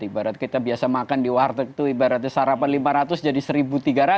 ibarat kita biasa makan di warteg itu ibaratnya sarapan lima ratus jadi rp satu tiga ratus